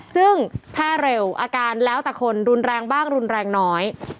ซึ่งแพร่เร็วอาการแล้วแต่คนรุนแรงบ้างรุนแรงน้อย